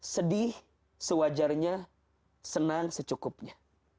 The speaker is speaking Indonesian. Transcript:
sedih sewajarnya senang secukupnya